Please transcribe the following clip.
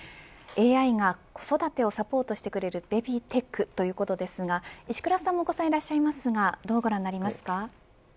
ＡＩが子育てをサポートしてくれるベビーテックということですが石倉さんもお子さんがいらっしゃいますがどう思いますか。